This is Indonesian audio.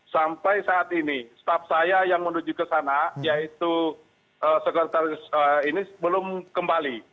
sampai saat ini staff saya yang menuju ke sana yaitu sekretaris ini belum kembali